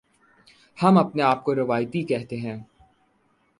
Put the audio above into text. ہم اپنے آپ کو روایتی کہتے ہیں۔